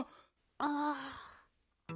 ああ。